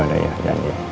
ya udah ya janji ya